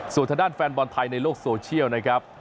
ส่วนทางด้านแฟนบอลไทยในโลกโซเชียลนะครับ